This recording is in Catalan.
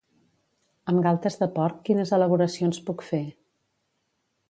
Amb galtes de porc quines elaboracions puc fer?